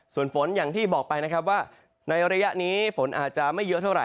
ส่วนฝนอย่างที่บอกไปนะครับว่าในระยะนี้ฝนอาจจะไม่เยอะเท่าไห